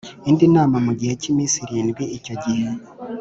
indi nama mu gihe cy iminsi irindwi Icyo gihe